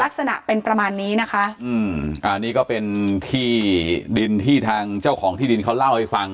ลักษณะเป็นประมาณนี้นะคะอืมอ่านี่ก็เป็นที่ดินที่ทางเจ้าของที่ดินเขาเล่าให้ฟัง